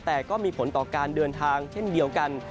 แต่ก็มีผลต่อการเดินทางเช่นเดียวกัน